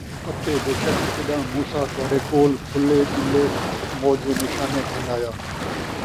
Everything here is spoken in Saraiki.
اَتے بیشک ڄَݙاں موسیٰ تُہاݙے کولھ کُھلّے ݙُلّے معجزے نشانیاں گِھن آیا